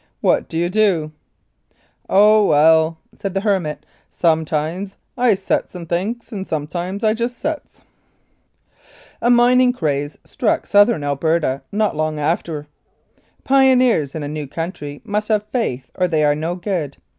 What do you do ?" "Oh, well," said the hermit, "sometimes I sets and thinks, and sometimes I just sets !" A mining craze struck Southern Alberta not long after. Pioneers in a new country must have faith or they are no good.